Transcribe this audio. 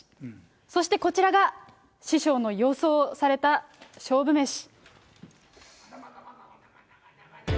そしてこちらが師匠の予想された勝負メシ。